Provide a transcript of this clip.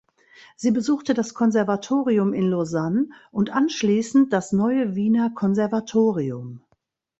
Sie besuchte das Konservatorium in Lausanne und anschliessend das Neue Wiener Konservatorium.